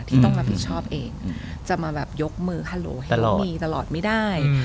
ที่ต้องรับผิดชอบเองจะมาแบบยกมือฮัลโหลให้มีตลอดไม่ได้